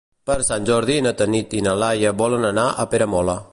Per Sant Jordi na Tanit i na Laia volen anar a Peramola.